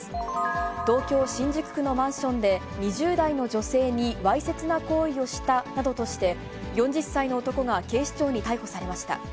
東京・新宿区のマンションで、２０代の女性にわいせつな行為をしたなどとして、４０歳の男が警視庁に逮捕されました。